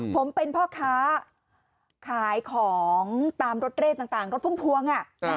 ผมเป็นพ่อค้าขายของตามรถเร่ต่างรถพุ่มพวง